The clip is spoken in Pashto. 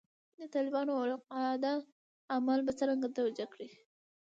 د طالبانو او القاعده اعمال به څرنګه توجیه کړې.